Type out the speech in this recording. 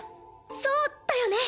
そうだよね。